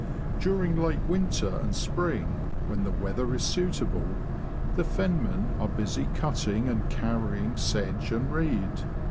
During late winter and spring, when the weather is suitable, the fenmen are busy cutting and carry ing sedge and reed.